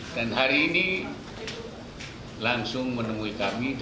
dan hari ini langsung menemui kami